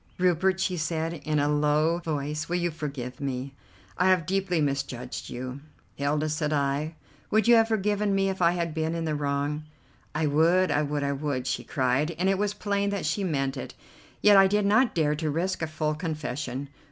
"Rupert," she said in a low voice, "will you forgive me? I have deeply misjudged you." "Hilda," said I, "would you have forgiven me if I had been in the wrong?" "I would, I would, I would," she cried, and it was plain that she meant it, yet I did not dare to risk a full confession.